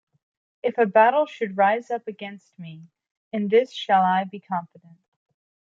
If a battle should rise up against me, in this shall I be confident.